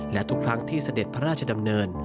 และทุกครั้งที่เสด็จพระราชดำเนิน